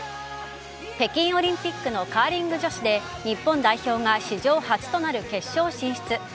北京オリンピックのカーリング女子で日本代表が史上初となる決勝進出。